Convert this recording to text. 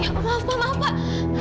ya allah maaf pak maaf pak